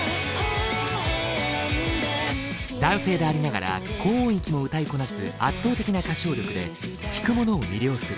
男性でありながら高音域も歌いこなす圧倒的な歌唱力で聴く者を魅了する。